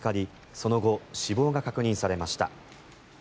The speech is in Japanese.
その後、死亡が確認されました。